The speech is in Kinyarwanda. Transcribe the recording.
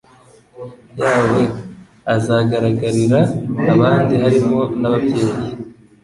yawe azagaragarira abandi harimo n ababyeyi